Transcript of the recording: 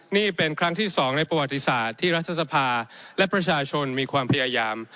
นี่เป็นครั้งที่๒ในประวัติศาสตร์ที่รัฐสภาและประชาชนมีความพยายาม